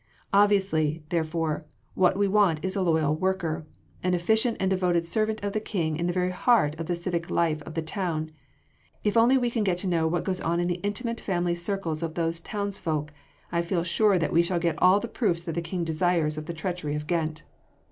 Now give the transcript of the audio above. Obviously, therefore, what we want is a loyal worker, an efficient and devoted servant of the King in the very heart of the civic life of the town: if only we can get to know what goes on in the intimate family circles of those townsfolk, I feel sure that we shall get all the proofs that the King desires of the treachery of Ghent."